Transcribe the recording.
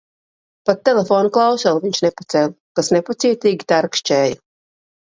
Pat telefona klausuli viņš nepacēla, kas nepacietīgi tarkšķēja.